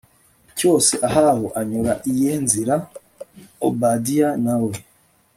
cyose ahabu anyura iye nzira obadiya na we